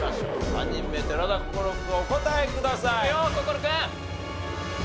３人目寺田心君お答えください。